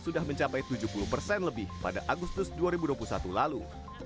sudah mencapai tujuh puluh persen lebih pada agustus dua ribu dua puluh satu lalu